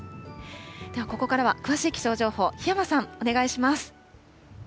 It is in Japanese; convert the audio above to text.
ではここからは詳しい気象情報、檜山さん、お願いします。